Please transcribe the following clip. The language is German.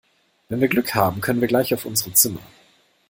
Wenn wir Glück haben können wir gleich auf unsere Zimmer.